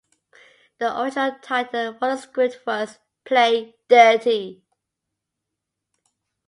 Their original title for the script was "Play Dirty".